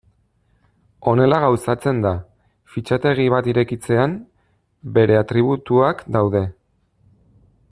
Honela gauzatzen da: fitxategi bat irekitzean, bere atributuak daude.